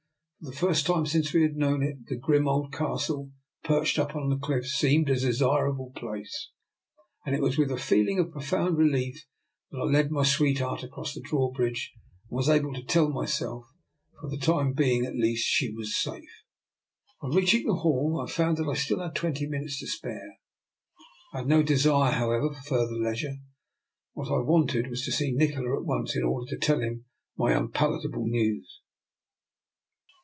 For the first time since we had known it, the grim old Castle, perched up on the cliffs, seemed a desirable place, and it was with a feeling of profound relief that I led my sweetheart across the drawbridge, and was able to tell myself that, for the time being at least, she was safe. On reaching the hall, I found that I had still twenty minutes to spare. I had no desire, however, for further leisure. What I wanted was to see Nikola at once in order to tell him my unpalatable news.